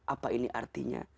apa ini artinya